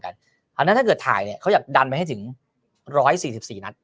กันอันนั้นถ้าเกิดถ่ายเนี่ยเขาอยากดันไปให้ถึง๑๔๔นัด